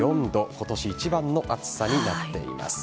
今年一番の暑さになっています。